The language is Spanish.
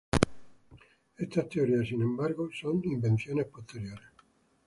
Estas teorías, sin embargo, son invenciones posteriores.